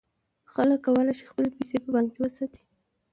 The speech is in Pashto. خلک کولای شي خپلې پیسې په بانک کې وساتي.